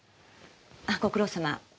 あっご苦労さま。